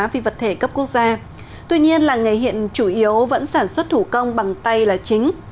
vì vật thể cấp quốc gia tuy nhiên làng nghề hiện chủ yếu vẫn sản xuất thủ công bằng tay là chính